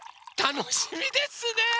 たのしみですね！